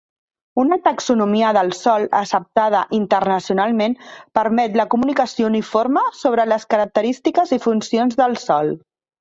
Una taxonomia del sòl acceptada internacionalment permet la comunicació uniforme sobre les característiques i funcions del sòl.